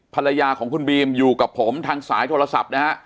ภรรยาของคุณบีมอยู่กับผมทางสายโทรศัพท์นะฮะ